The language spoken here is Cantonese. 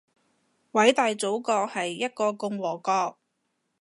偉大祖國係一個共和國